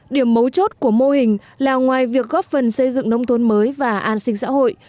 điểm mấu chốt của mô hình là ngoài việc góp phần xây dựng nông thôn mới và an sinh xã hội